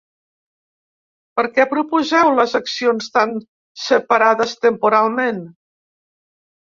Per què proposeu les accions tan separades temporalment?